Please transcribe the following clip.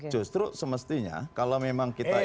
justru semestinya kalau memang kita ingin